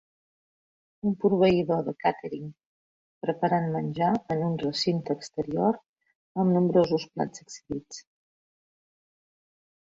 Un proveïdor de càtering preparant menjar en un recinte exterior amb nombrosos plats exhibits.